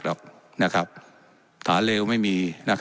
และยังเป็นประธานกรรมการอีก